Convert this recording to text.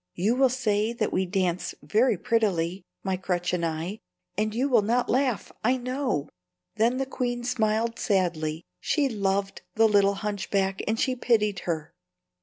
You will say that we dance very prettily, my crutch and I, and you will not laugh, I know." Then the queen smiled sadly; she loved the little hunchback and she pitied her.